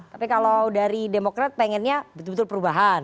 tapi kalau dari demokrat pengennya betul betul perubahan